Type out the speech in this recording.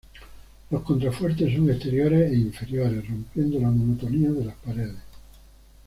Los contrafuertes son exteriores e interiores, rompiendo la monotonía de las paredes.